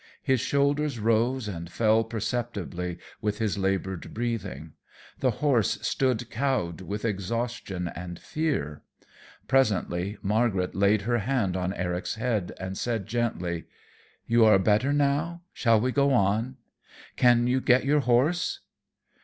His shoulders rose and fell perceptibly with his labored breathing. The horse stood cowed with exhaustion and fear. Presently Margaret laid her hand on Eric's head and said gently: "You are better now, shall we go on? Can you get your horse?"